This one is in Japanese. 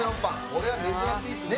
これは珍しいですね。